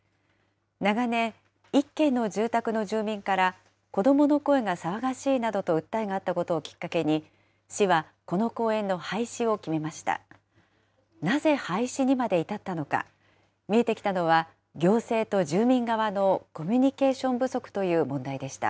長年、１軒の住宅の住民から、子どもの声が騒がしいなどと訴えがあったことをきっかけに、市はこの公園の廃止を決めました。